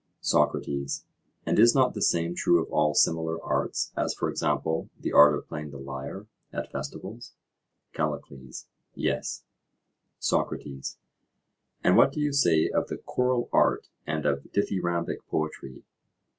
SOCRATES: And is not the same true of all similar arts, as, for example, the art of playing the lyre at festivals? CALLICLES: Yes. SOCRATES: And what do you say of the choral art and of dithyrambic poetry?